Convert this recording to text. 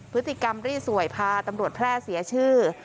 พฤติกรรมรีดสวยพาตำรวจแพร่เสียชื่อ